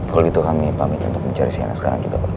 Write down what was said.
kalau gitu kami pamit untuk mencari si anak sekarang juga pak